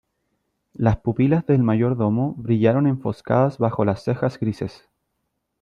las pupilas del mayordomo brillaron enfoscadas bajo las cejas grises :